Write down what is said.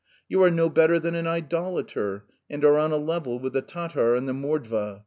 You are no better than an idolater and are on a level with the Tatar and the Mordva.